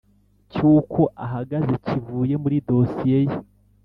cy’uko ahagaze kivuye muri dosiye ye.